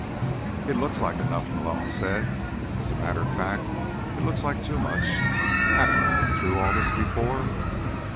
"It looks like enough," Malone said. "As a matter of fact, it looks like too much. Haven't we been through all this before?"